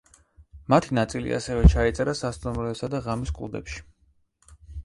მათი ნაწილი ასევე ჩაიწერა სასტუმროებსა და ღამის კლუბებში.